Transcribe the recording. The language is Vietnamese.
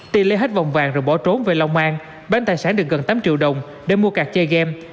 ty lấy hết vòng vàng rồi bỏ trốn về long an bán tài sản được gần tám triệu đồng để mua cạt chơi game